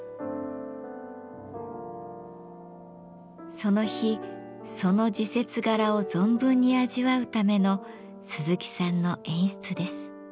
その日その時節柄を存分に味わうための鈴木さんの演出です。